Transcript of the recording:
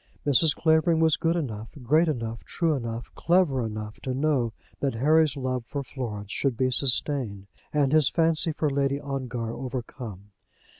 Mrs. Clavering was good enough, great enough, true enough, clever enough to know that Harry's love for Florence should be sustained, and his fancy for Lady Ongar overcome.